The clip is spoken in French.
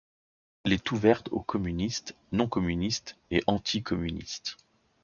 Elle est ouverte aux communistes, non-communistes, et anti-communistes.